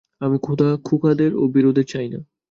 আমি খোকাদের ও ভীরুদের চাই না।